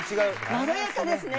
まろやかですね。